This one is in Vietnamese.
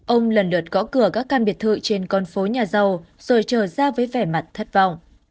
ông lần lượt gõ cửa các căn biệt thự trên con phố nhà giàu rồi trở ra với vẻ mặt thất vọng